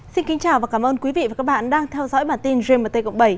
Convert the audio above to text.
xin kính chào và cảm ơn quý vị và các bạn đang theo dõi bản tin dream một t cộng bảy